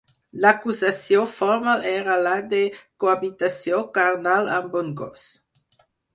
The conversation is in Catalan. L'acusació formal era la de cohabitació carnal amb un gos.